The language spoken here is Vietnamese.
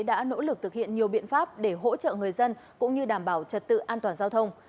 đã nỗ lực thực hiện nhiều biện pháp để hỗ trợ người dân cũng như đảm bảo trật tự an toàn giao thông